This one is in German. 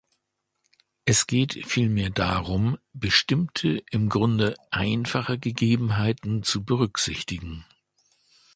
Es geht vielmehr darum, bestimmte im Grunde einfache Gegebenheiten zu berücksichtigen.